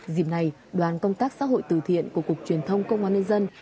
dịp này đoàn công tác xã hội từ thiện của cục truyền thông công an nhân dân